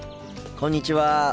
こんにちは。